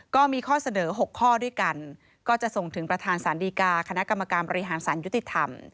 ก็มีข้อเสนอ๖ข้อด้วยกันก็จะส่งถึงประธานสารดีกาคณะกรรมการบริหารสารยุติธรรม